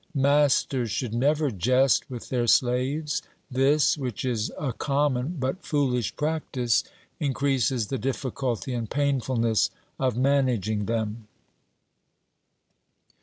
Masters should never jest with their slaves: this, which is a common but foolish practice, increases the difficulty and painfulness of managing them.